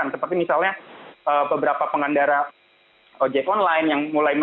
rp sepuluh juta penerima